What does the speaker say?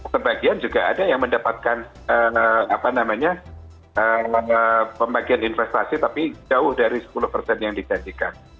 sebagian juga ada yang mendapatkan apa namanya pembagian investasi tapi jauh dari sepuluh yang dikasihkan